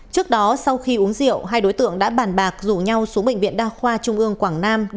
trước đó sau khi uống rượu hai đối tượng đã bàn bạc rủ nhau xuống bệnh viện đa khoa trung ương quảng nam